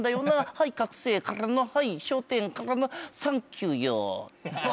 はい覚醒からのはい昇天からのサンキューよ！